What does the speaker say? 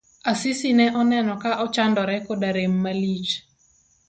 Asisi ne oneno ka ochandore koda rem malich.